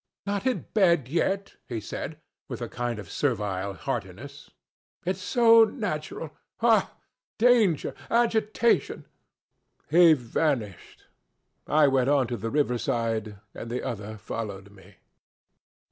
'Not in bed yet,' he said, with a kind of servile heartiness; 'it's so natural. Ha! Danger agitation.' He vanished. I went on to the river side, and the other followed me.